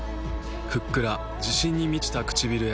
ふっくら自信に満ちた唇へ。